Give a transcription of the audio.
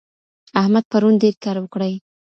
احمد پرون ډېر کار وکړی.